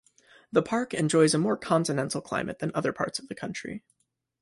The park enjoys a more continental climate than other parts of the country.